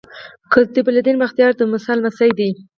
قطب الدین بختیار د موسی لمسی دﺉ.